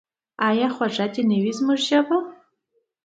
آیا خوږه دې نه وي زموږ ژبه؟